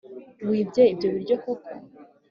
wibye ibyo biryo koko?